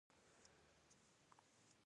یعنې که کلیدي وزارتونه د دوی نه شي.